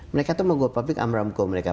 mereka itu membuat public amramco mereka